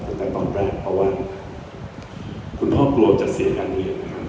ตั้งแต่ตอนแรกเพราะว่าคุณพ่อกลัวจะเสียการเรียนนะครับ